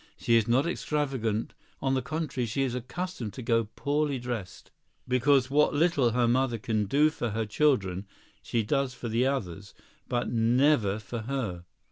She is not extravagant; on the contrary, she is accustomed to go poorly dressed, because what little her mother can do for her children she does for the others, but never for her.